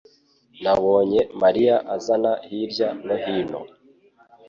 Nabonye Mariya azana hirya no hino